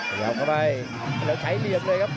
ขยับเข้าไปแล้วใช้เหลี่ยมเลยครับ